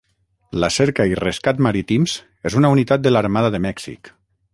La Cerca i Rescat Marítims és una unitat de l'Armada de Mèxic.